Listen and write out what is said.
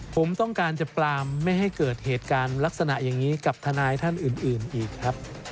ผมต้องการจะปลามไม่ให้เกิดเหตุการณ์ลักษณะอย่างนี้กับทนายท่านอื่นอีกครับ